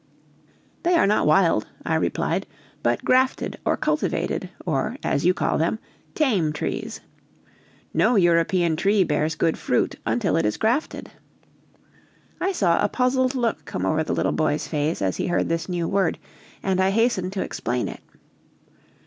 "They are not wild," I replied, "but grafted or cultivated, or, as you call them, tame trees. No European tree bears good fruit until it is grafted!" I saw a puzzled look come over the little boy's face as he heard this new word, and I hastened to explain it.